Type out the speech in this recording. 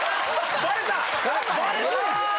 バレた！